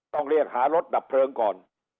ต้องเรียกหารถดับเพลิงก่อน